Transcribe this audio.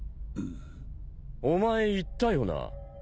お前言ったよな？